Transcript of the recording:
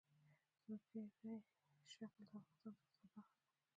ځمکنی شکل د افغانستان د اقتصاد برخه ده.